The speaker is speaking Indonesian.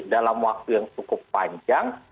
dalam waktu yang cukup panjang